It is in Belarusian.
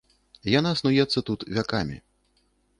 Яна снуецца тут вякамі.